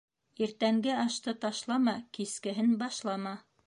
Иртәнге ашты ташлама, кискеһен башлама.